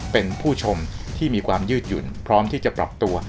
เป็นผู้ชมที่มีความยืดหยุ่นพร้อมที่จะปรับตัว